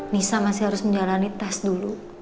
nisa masih harus menjalani tes dulu